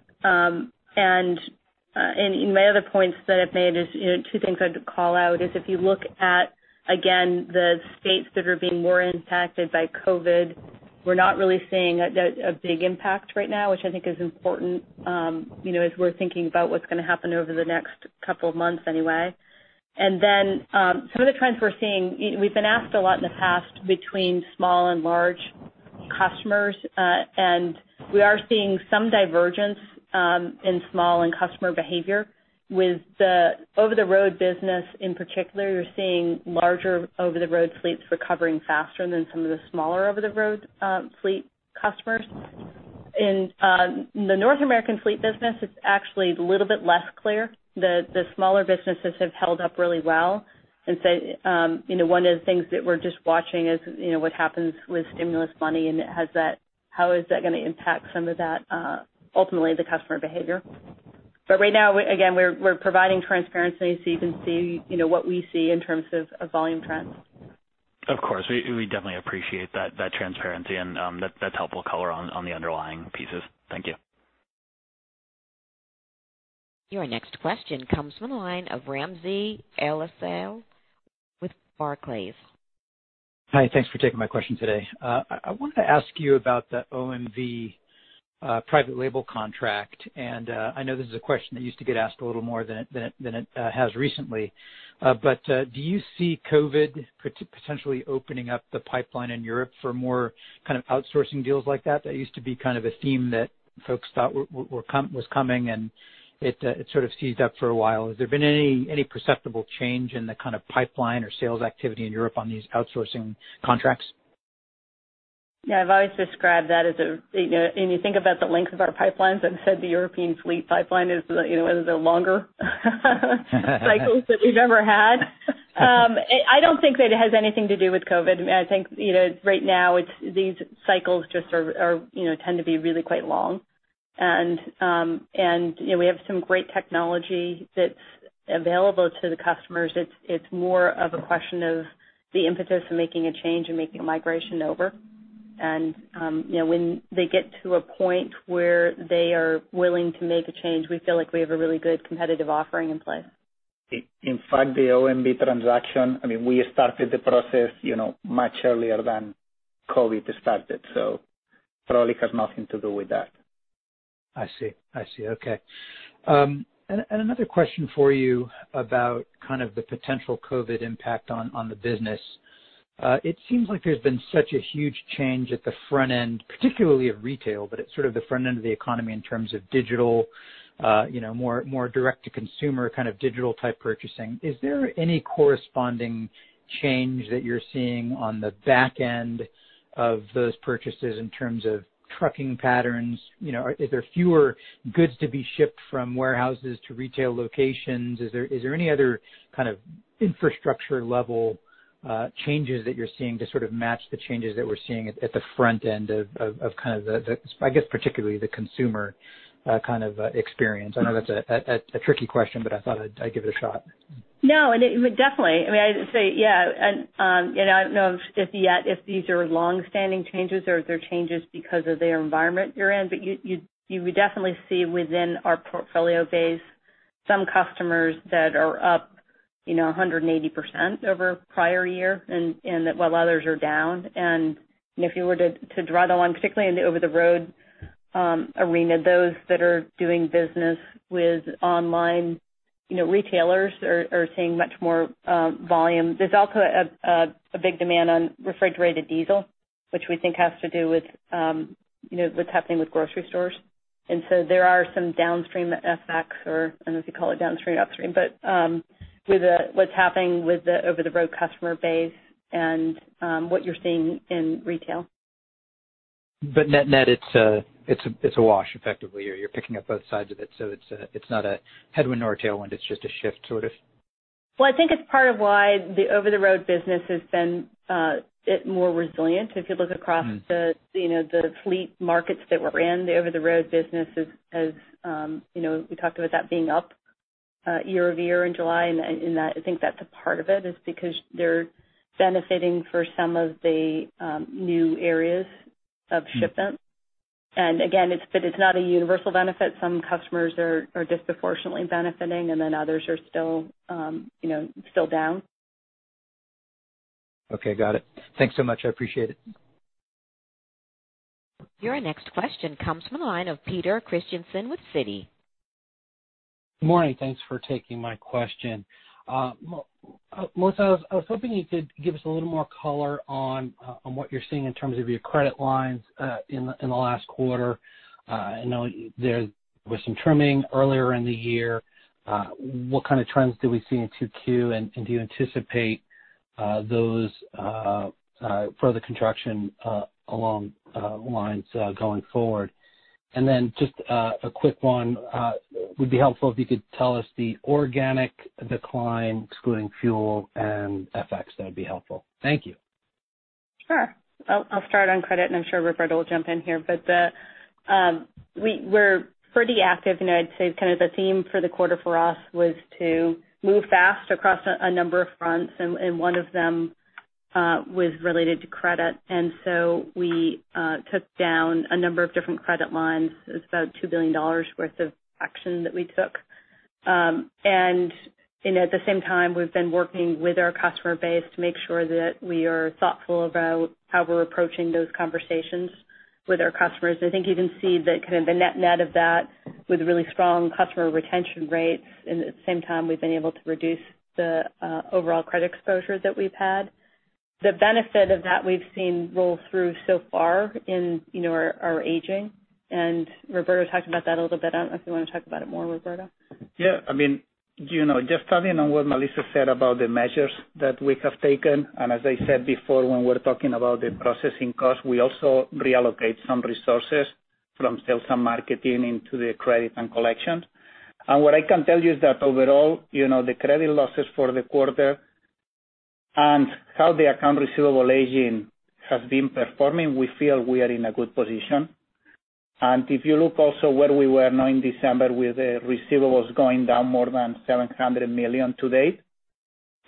My other points that I've made is two things I'd call out is if you look at, again, the states that are being more impacted by COVID, we're not really seeing a big impact right now, which I think is important as we're thinking about what's going to happen over the next couple of months anyway. Some of the trends we're seeing, we've been asked a lot in the past between small and large customers. We are seeing some divergence in small and customer behavior with the over-the-road business in particular. You're seeing larger over-the-road fleets recovering faster than some of the smaller over-the-road fleet customers. In the North American fleet business, it's actually a little bit less clear. The smaller businesses have held up really well. One of the things that we're just watching is what happens with stimulus money and how is that going to impact some of that, ultimately, the customer behavior. Right now, again, we're providing transparency so you can see what we see in terms of volume trends. Of course. We definitely appreciate that transparency and that's helpful color on the underlying pieces. Thank you. Your next question comes from the line of Ramsey El-Assal with Barclays. Hi. Thanks for taking my question today. I wanted to ask you about the OMV private label contract. I know this is a question that used to get asked a little more than it has recently. Do you see COVID potentially opening up the pipeline in Europe for more kind of outsourcing deals like that? That used to be kind of a theme that folks thought was coming, and it sort of seized up for a while. Has there been any perceptible change in the kind of pipeline or sales activity in Europe on these outsourcing contracts? Yeah, I've always described that. You think about the length of our pipelines and said the European fleet pipeline is one of the longer cycles that we've ever had. I don't think that it has anything to do with COVID. I think right now, these cycles just tend to be really quite long. We have some great technology that's available to the customers. It's more of a question of the impetus of making a change and making a migration over. When they get to a point where they are willing to make a change, we feel like we have a really good competitive offering in place. In fact, the Optal transaction, we started the process much earlier than COVID started, so probably has nothing to do with that. I see. Okay. Another question for you about kind of the potential COVID impact on the business. It seems like there's been such a huge change at the front end, particularly of retail, but it's sort of the front end of the economy in terms of digital, more direct-to-consumer kind of digital type purchasing. Is there any corresponding change that you're seeing on the back end of those purchases in terms of trucking patterns? Is there fewer goods to be shipped from warehouses to retail locations? Is there any other kind of infrastructure level changes that you're seeing to sort of match the changes that we're seeing at the front end of kind of, I guess, particularly the consumer kind of experience? I know that's a tricky question, but I thought I'd give it a shot. No, definitely. I'd say yeah. I don't know just yet if these are longstanding changes or if they're changes because of their environment you're in. You would definitely see within our portfolio base some customers that are up 180% over prior year and while others are down. If you were to draw the line, particularly in the over-the-road arena, those that are doing business with online retailers are seeing much more volume. There's also a big demand on refrigerated diesel, which we think has to do with what's happening with grocery stores. There are some downstream effects, or I don't know if you call it downstream or upstream, but with what's happening with the over-the-road customer base and what you're seeing in retail. Net, it's a wash, effectively. You're picking up both sides of it's not a headwind nor a tailwind. It's just a shift, sort of. Well, I think it's part of why the over-the-road business has been a bit more resilient. If you look across the fleet markets that we're in, the over-the-road business has, we talked about that being up year-over-year in July, and I think that's a part of it is because they're benefiting for some of the new areas of shipment. Again, it's not a universal benefit. Some customers are disproportionately benefiting, and then others are still down. Okay, got it. Thanks so much. I appreciate it. Your next question comes from the line of Peter Christiansen with Citi. Good morning. Thanks for taking my question. Melissa, I was hoping you could give us a little more color on what you're seeing in terms of your credit lines in the last quarter. I know there was some trimming earlier in the year. What kind of trends do we see in Q2, and do you anticipate those further contraction along lines going forward? Just a quick one. It would be helpful if you could tell us the organic decline excluding fuel and FX. That would be helpful. Thank you. Sure. I'll start on credit. I'm sure Roberto will jump in here. We're pretty active, and I'd say kind of the theme for the quarter for us was to move fast across a number of fronts, and one of them was related to credit. We took down a number of different credit lines. It was about $2 billion worth of action that we took. At the same time, we've been working with our customer base to make sure that we are thoughtful about how we're approaching those conversations with our customers. I think you can see that kind of the net of that with really strong customer retention rates, and at the same time, we've been able to reduce the overall credit exposure that we've had. The benefit of that we've seen roll through so far in our aging, and Roberto talked about that a little bit. I don't know if you want to talk about it more, Roberto. Just adding on what Melissa said about the measures that we have taken. As I said before, when we're talking about the processing cost, we also reallocate some resources from sales and marketing into the credit and collections. What I can tell you is that overall, the credit losses for the quarter and how the account receivable aging has been performing, we feel we are in a good position. If you look also where we were now in December with the receivables going down more than $700 million to date.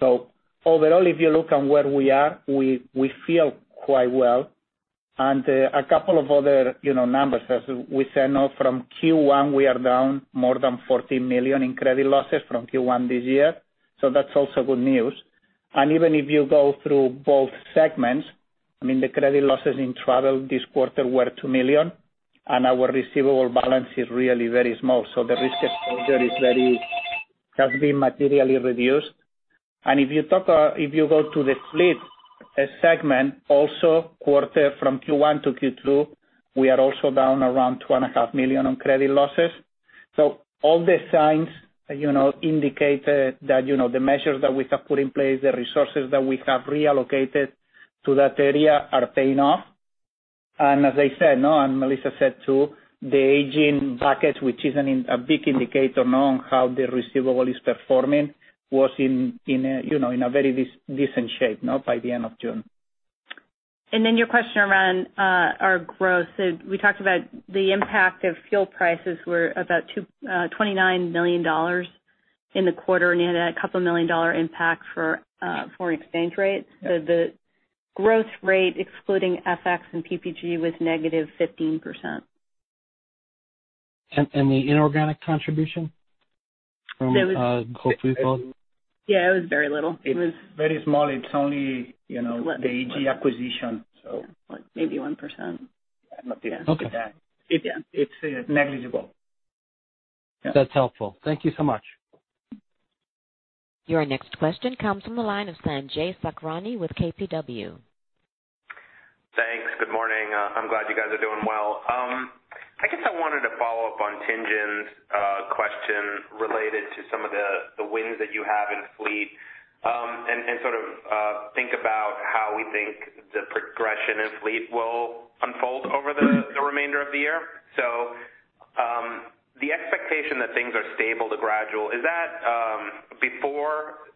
Overall, if you look on where we are, we feel quite well. A couple of other numbers. As we said now from Q1, we are down more than $14 million in credit losses from Q1 this year. That's also good news. Even if you go through both segments, the credit losses in travel this quarter were $2 million, and our receivable balance is really very small. The risk exposure has been materially reduced. If you go to the fleet segment, also quarter from Q1 - Q2, we are also down around $2.5 million on credit losses. All the signs indicate that the measures that we have put in place, the resources that we have reallocated to that area are paying off. As I said, and Melissa said too, the aging bucket, which is a big indicator on how the receivable is performing, was in a very decent shape by the end of June. Your question around our growth. We talked about the impact of fuel prices were about $29 million in the quarter and a couple million dollar impact for foreign exchange rates. Yes. The growth rate excluding FX and PPG was negative 15%. The inorganic contribution from corporate growth? Yeah, it was very little. Very small. It's only the EG acquisition. Maybe one percent. It's negligible. That's helpful. Thank you so much. Your next question comes from the line of Sanjay Sakhrani with KBW. Thanks. Good morning. I'm glad you guys are doing well. I guess I wanted to follow up on Tien-Tsin's question related to some of the wins that you have in Fleet, and think about how we think the progression in Fleet will unfold over the remainder of the year. The expectation that things are stable to gradual, is that before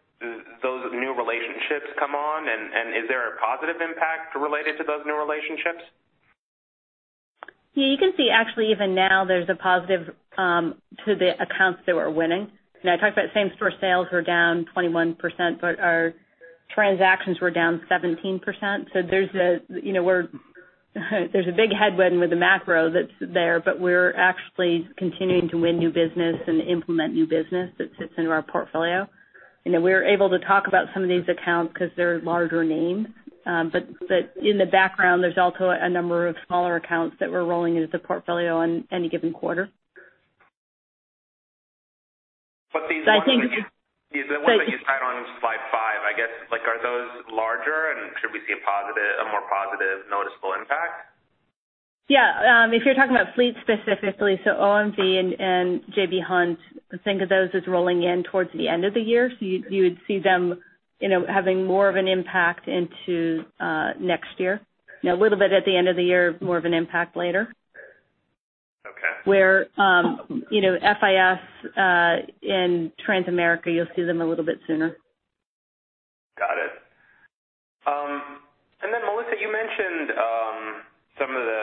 those new relationships come on, and is there a positive impact related to those new relationships? You can see actually even now there's a positive to the accounts that we're winning. I talked about same-store sales were down 21%, but our transactions were down 17%. There's a big headwind with the macro that's there, but we're actually continuing to win new business and implement new business that fits into our portfolio. We're able to talk about some of these accounts because they're larger names. In the background, there's also a number of smaller accounts that we're rolling into the portfolio in any given quarter. These ones that you've had on slide five, I guess, are those larger and should we see a more positive noticeable impact? Yeah. If you're talking about Fleet specifically, so OMV and J.B. Hunt, think of those as rolling in towards the end of the year. You would see them having more of an impact into next year. A little bit at the end of the year, more of an impact later. Okay. Where FIS and Transamerica, you'll see them a little bit sooner. Got it. Melissa, you mentioned some of the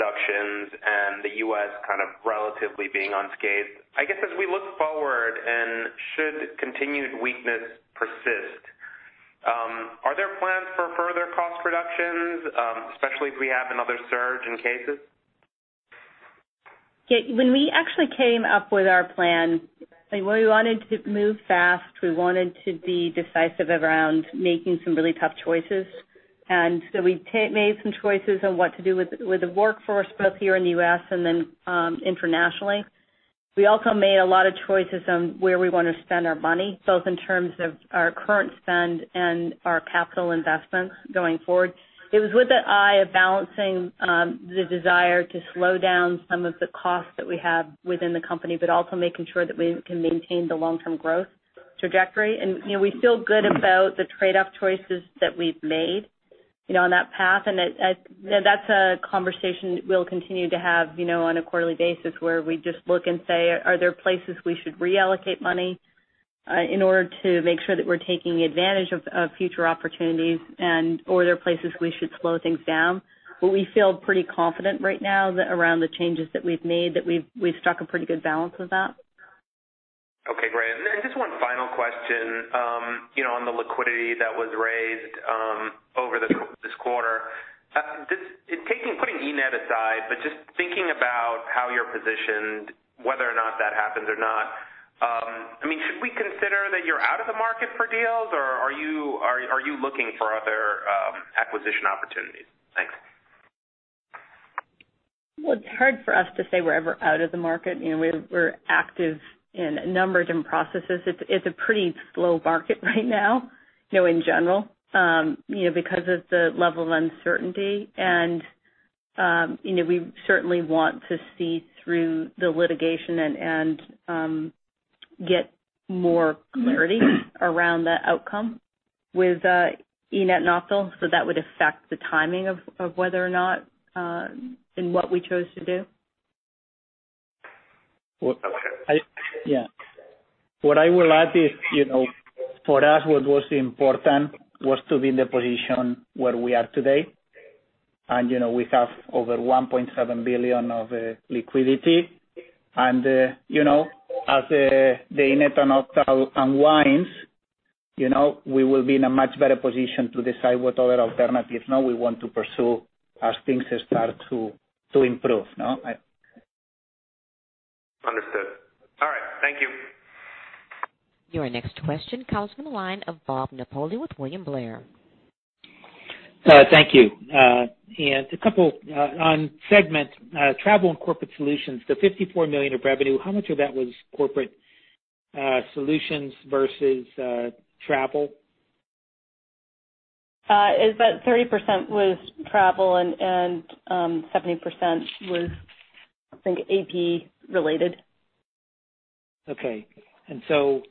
workforce reductions and the U.S. kind of relatively being unscathed. I guess as we look forward, and should continued weakness persist, are there plans for further cost reductions, especially if we have another surge in cases? When we actually came up with our plan, we wanted to move fast. We wanted to be decisive around making some really tough choices. We made some choices on what to do with the workforce, both here in the U.S. and then internationally. We also made a lot of choices on where we want to spend our money, both in terms of our current spend and our capital investments going forward. It was with an eye of balancing the desire to slow down some of the costs that we have within the company, but also making sure that we can maintain the long-term growth trajectory. We feel good about the trade-off choices that we've made on that path. That's a conversation we'll continue to have on a quarterly basis where we just look and say, are there places we should reallocate money in order to make sure that we're taking advantage of future opportunities and/or are there places we should slow things down? We feel pretty confident right now around the changes that we've made, that we've struck a pretty good balance with that. Okay, great. Just one final question on the liquidity that was raised over this quarter. Putting eNett aside, but just thinking about how you're positioned, whether or not that happens or not, should we consider that you're out of the market for deals or are you looking for other acquisition opportunities? Thanks. Well, it's hard for us to say we're ever out of the market. We're active in a number of different processes. It's a pretty slow market right now in general because of the level of uncertainty. We certainly want to see through the litigation and get more clarity around the outcome with eNett Optal, so that would affect the timing of whether or not in what we chose to do. Okay. Yeah. What I will add is, for us, what was important was to be in the position where we are today. We have over $1.7 billion of liquidity. As the eNett Optal unwinds, we will be in a much better position to decide what other alternatives we want to pursue as things start to improve. Understood. All right. Thank you. Your next question comes from the line of Bob Napoli with William Blair. Thank you. A couple on segment Travel and Corporate Solutions, the $54 million of revenue, how much of that was Corporate Solutions versus Travel? About 30% was travel and 70% was, I think, AP related. Okay.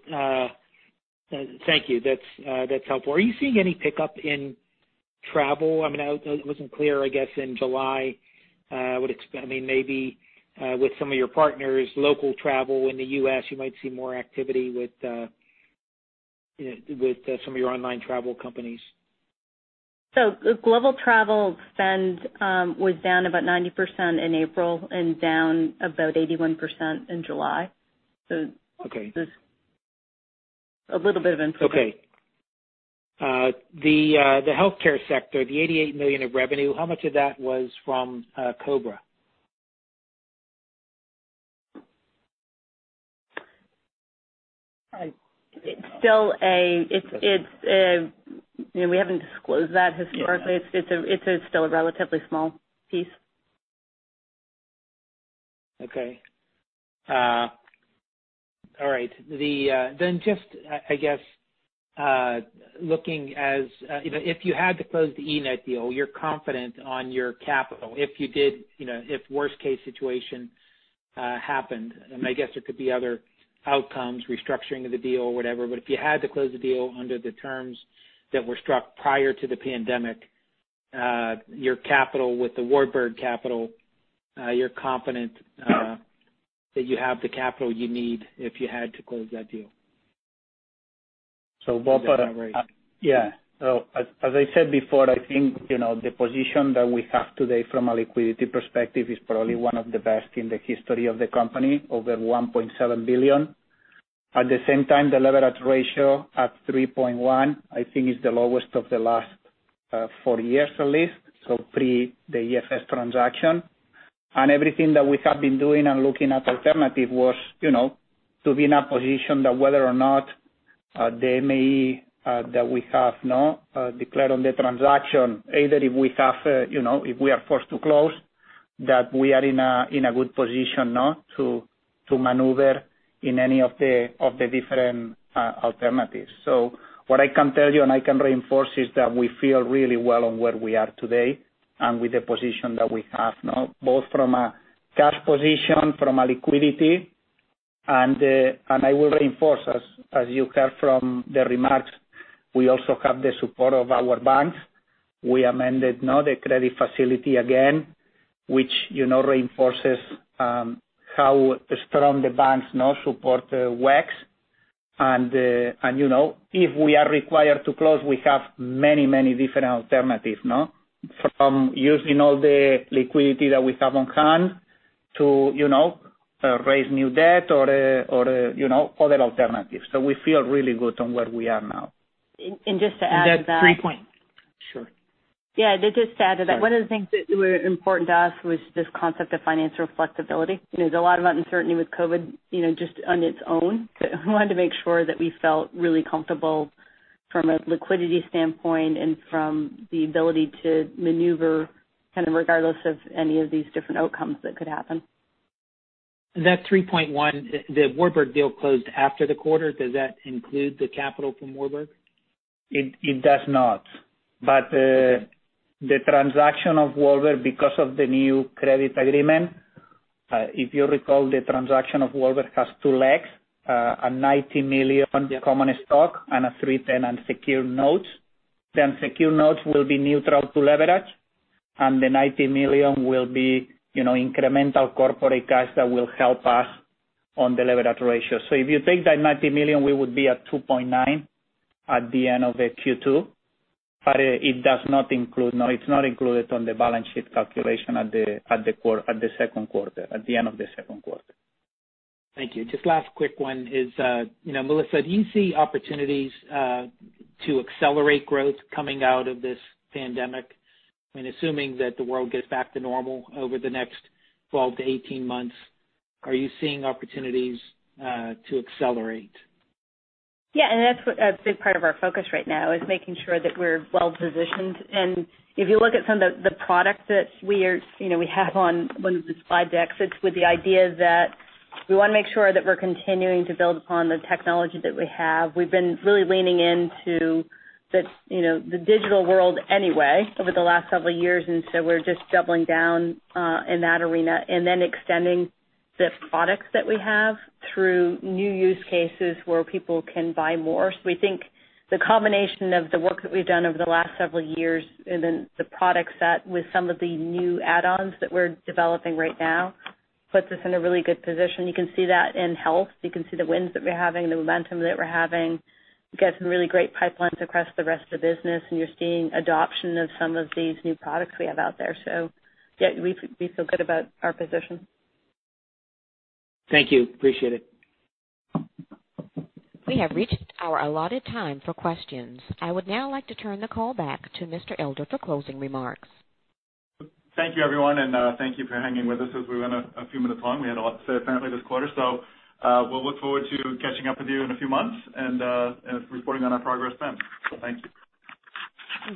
Thank you. That's helpful. Are you seeing any pickup in travel? It wasn't clear, I guess, in July, maybe with some of your partners, local travel in the U.S., you might see more activity with some of your online travel companies. Global travel spend was down about 90% in April and down about 81% in July. Okay. A little bit of improvement. Okay. The healthcare sector, the $88 million of revenue, how much of that was from COBRA? We haven't disclosed that historically. Yeah. It's still a relatively small piece. Okay. All right. Just, I guess, if you had to close the eNett deal, you're confident on your capital. If worst case situation happened, and I guess there could be other outcomes, restructuring of the deal or whatever, but if you had to close the deal under the terms that were struck prior to the pandemic, your capital with the Warburg capital, you're confident that you have the capital you need if you had to close that deal? Walter. Is that right? As I said before, I think the position that we have today from a liquidity perspective is probably one of the best in the history of the company, over $1.7 billion. At the same time, the leverage ratio at 3.1, I think is the lowest of the last four years at least, so pre the EFS transaction. Everything that we have been doing and looking at alternative was to be in a position that whether or not they may, that we have now declared on the transaction, either if we are forced to close, that we are in a good position now to maneuver in any of the different alternatives. What I can tell you, and I can reinforce, is that we feel really well on where we are today and with the position that we have now, both from a cash position, from a liquidity, and I will reinforce, as you heard from the remarks, we also have the support of our banks. We amended now the credit facility again, which reinforces how strong the banks now support WEX. If we are required to close, we have many different alternatives. From using all the liquidity that we have on hand to raise new debt or other alternatives. We feel really good on where we are now. just to add to that. That three. Sure. Yeah. Just to add to that, one of the things that were important to us was this concept of financial flexibility. There's a lot of uncertainty with COVID-19, just on its own. We wanted to make sure that we felt really comfortable from a liquidity standpoint and from the ability to maneuver kind of regardless of any of these different outcomes that could happen. That 3.1, the Warburg deal closed after the quarter. Does that include the capital from Warburg? It does not. The transaction of Warburg, because of the new credit agreement, if you recall, the transaction of Warburg has two legs, a $90 million common stock and a $310 unsecured note. The unsecured note will be neutral to leverage, and the $90 million will be incremental corporate cash that will help us on the leverage ratio. If you take that $90 million, we would be at 2.9 at the end of the Q2. It does not include, no, it's not included on the balance sheet calculation at the Q2, at the end of the second quarter. Thank you. Just last quick one is, Melissa, do you see opportunities to accelerate growth coming out of this pandemic? Assuming that the world gets back to normal over the next 12-18 months, are you seeing opportunities to accelerate? Yeah, that's a big part of our focus right now is making sure that we're well-positioned. If you look at some of the products that we have on one of the slide decks, it's with the idea that we want to make sure that we're continuing to build upon the technology that we have. We've been really leaning into the digital world anyway over the last several years, and so we're just doubling down in that arena and then extending the products that we have through new use cases where people can buy more. We think the combination of the work that we've done over the last several years and then the product set with some of the new add-ons that we're developing right now puts us in a really good position. You can see that in health. You can see the wins that we're having, the momentum that we're having. We've got some really great pipelines across the rest of the business, and you're seeing adoption of some of these new products we have out there. Yeah, we feel good about our position. Thank you. Appreciate it. We have reached our allotted time for questions. I would now like to turn the call back to Mr. Elder for closing remarks. Thank you, everyone, and thank you for hanging with us as we went a few minutes long. We had a lot to say, apparently, this quarter. We'll look forward to catching up with you in a few months and reporting on our progress then. Thank you.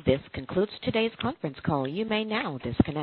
This concludes today's conference call. You may now disconnect.